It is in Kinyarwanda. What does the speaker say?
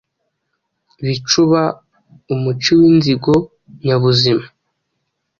Bicuba, umuci w’inzigo, Nyabuzima